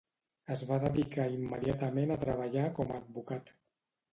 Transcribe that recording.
Es va dedicar immediatament a treballar com a advocat.